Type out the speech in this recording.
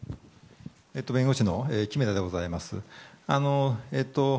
弁護士の木目田でございます。